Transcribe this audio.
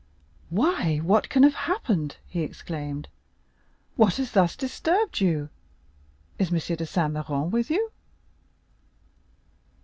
"Why, what can have happened?" he exclaimed, "what has thus disturbed you? Is M. de Saint Méran with you?"